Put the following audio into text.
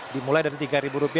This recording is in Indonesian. dimulai dari rp tiga